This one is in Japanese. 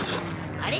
あれ？